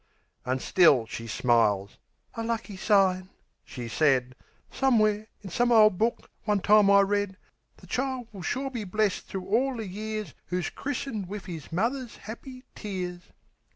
An' still she smiles. "A lucky sign," she said. "Somewhere, in some ole book, one time I read, 'The child will sure be blest all thro' the years Who's christened wiv 'is mother's 'appy tears."'